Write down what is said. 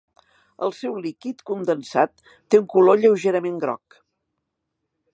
El seu líquid condensat té un color lleugerament groc.